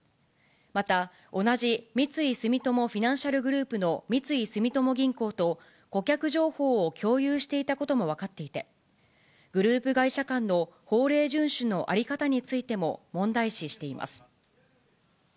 また、同じ三井住友フィナンシャルグループの三井住友銀行と、顧客情報を共有していたことも分かっていて、グループ会社間の法令順守の在り方についても、問題視しています。